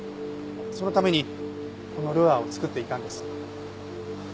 そのためにこのルアーを作っていたんです。